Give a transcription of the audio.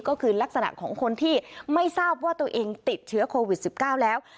ก็คือลักษณะของคนที่ไม่ทราบว่าตัวเองติดเชื้อโควิด๑๙แล้ว